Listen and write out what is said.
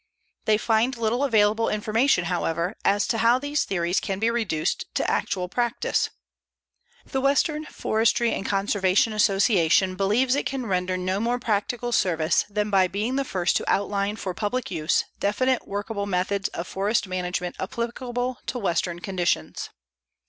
They find little available information, however, as to how these theories can be reduced to actual practice. The Western Forestry and Conservation Association believes it can render no more practical service than by being the first to outline for public use definite workable methods of forest management applicable to western conditions.